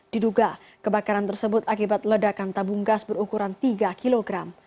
diduga kebakaran tersebut akibat ledakan tabung gas berukuran tiga kg